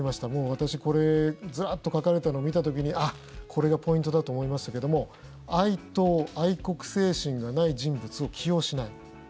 私、これずらっと書かれたのを見た時にあっ、これがポイントだと思いましたけども愛党・愛国精神がない人物を起用しない。